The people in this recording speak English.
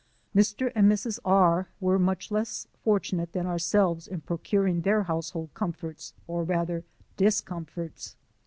Mr. and Mrs. R were much less fortunate than ourselves in pro curing their household comforts, or rather discomforts.